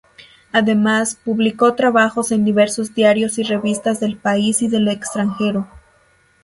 Además publicó trabajos en diversos diarios y revistas del país y del extranjero.